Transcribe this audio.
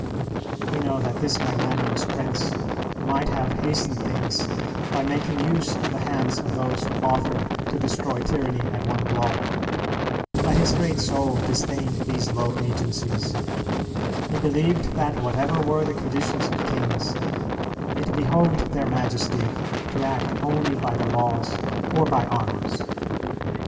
We know that this magnanimous prince might have hastened things by making use of the hands of those who offered to destroy tyranny at one blow: but his great soul disdained these low agencies; he believed that whatever were the conditions of kings, it behoved their majesty to act only by the laws or by arms.